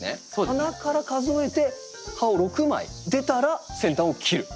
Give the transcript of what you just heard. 花から数えて葉を６枚出たら先端を切る。